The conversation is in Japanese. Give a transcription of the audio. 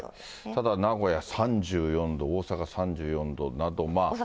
ただ名古屋３４度、大阪３４度など。